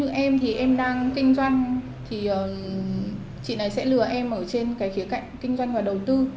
ví dụ như em thì em đang kinh doanh thì chị này sẽ lừa em ở trên cái khía cạnh kinh doanh và đầu tư